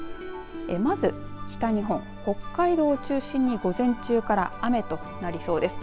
まず北日本北海道を中心に午前中から雨となりそうです。